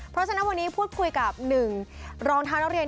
เพราะฉะนั้นวันนี้พูดคุยกับ๑รองเท้านักเรียน